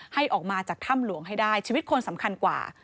ให้ออกมาจากถ้ำหลวงให้ได้ชีวิตคนสำคัญกว่า